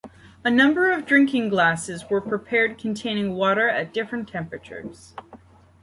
A number of drinking glasses were prepared containing water at different temperatures.